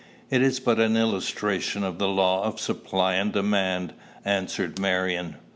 "It is but an illustration of the law of supply and demand," answered Marion.